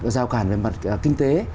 rào cản về mặt kinh tế